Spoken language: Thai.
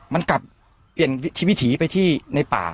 มันกลับเปลี่ยนวิธีวิถีไปที่ในป่า